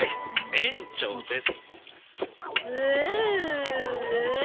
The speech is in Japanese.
園長です。